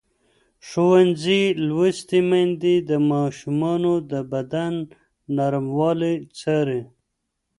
ښوونځې لوستې میندې د ماشومانو د بدن نرموالی څاري.